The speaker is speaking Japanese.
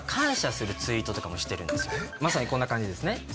まさにこんな感じですね。